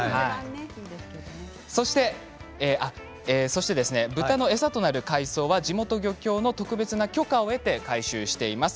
そして豚の餌となる海藻は地元漁協の特別な許可を得て回収しています。